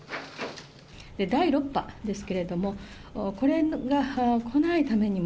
第６波ですけれども、これが来ないためにも、